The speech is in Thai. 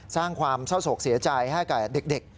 สร้างความเศร้าโศกเสียใจให้กับเด็ก